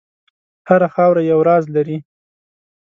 هره خاوره یو راز لري.